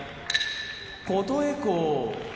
琴恵光